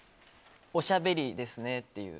おしゃべりですねって言う。